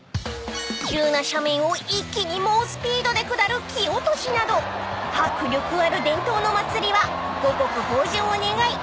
［急な斜面を一気に猛スピードで下る木落しなど迫力ある伝統のお祭りは］